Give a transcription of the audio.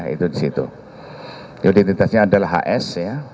identitasnya adalah hs